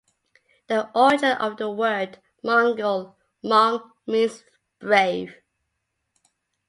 The origin of the word Mongol, "mong", means "brave".